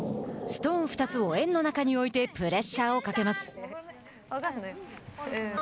ストーン２つを円の中に置いてプレッシャーをかけます。